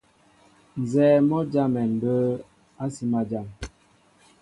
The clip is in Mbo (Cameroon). Nzɛ́ɛ́ mɔ́ a jámɛ mbə̌ a sima jám.